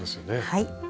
はい。